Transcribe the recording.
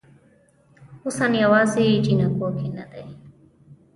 حسن یوازې جینکو کې نه دی